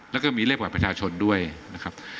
แล้วก็มีเลขบัตรประชาชนด้วยนะครับ